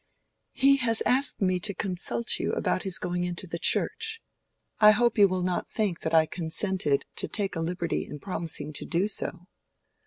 "He has asked me to consult you about his going into the Church. I hope you will not think that I consented to take a liberty in promising to do so."